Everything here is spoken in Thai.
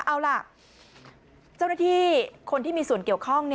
เอาล่ะเจ้าหน้าที่คนที่มีส่วนเกี่ยวข้อง